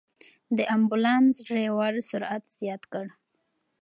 د امبولانس ډرېور سرعت زیات کړ.